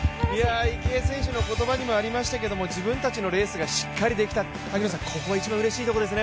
池江選手の言葉にもありましたけれども、自分たちのレースがしっかりできた、うれしいですね。